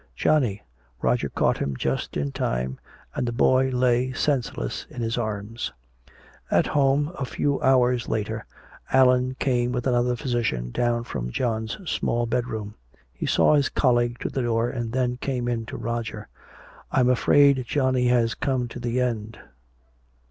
"Johnny!" Roger caught him just in time, and the boy lay senseless in his arms. At home, a few hours later, Allan came with another physician down from John's small bedroom. He saw his colleague to the door and then came in to Roger. "I'm afraid Johnny has come to the end."